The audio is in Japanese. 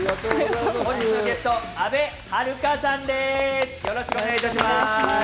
本日のゲスト、安部春香さんです。